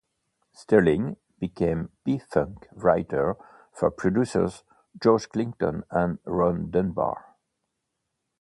Sterling became P-Funk writer for producers George Clinton and Ron Dunbar.